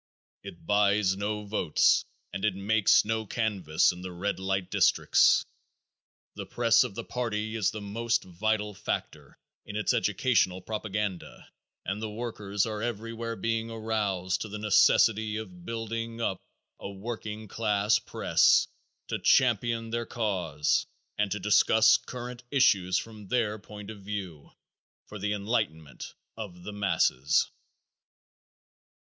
It buys no votes and it makes no canvass in the red light districts. The press of the party is the most vital factor in its educational propaganda and the workers are everywhere being aroused to the necessity of building up a working class press to champion their cause and to discuss current issues from their point of view for the enlightenment of the masses.